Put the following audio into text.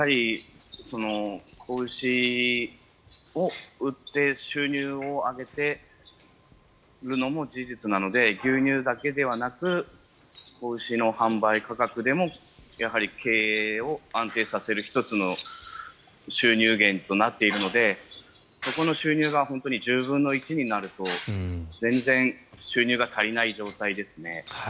子牛を売って収入を上げているのも事実なので、牛乳だけではなく子牛の販売価格でも経営を安定させる１つの収入源となっているのでそこの収入が本当に１０分の１になると全然収入が足りない状況ですね。